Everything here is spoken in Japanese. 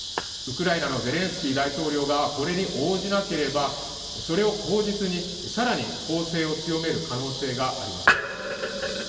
ウクライナのゼレンスキー大統領がこれに応じなければそれを口実にさらに攻勢を強める可能性があります。